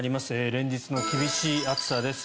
連日の厳しい暑さです。